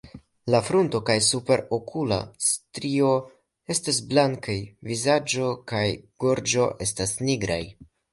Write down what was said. La frunto kaj superokula strio estas blankaj; la vizaĝo kaj gorĝo estas nigraj.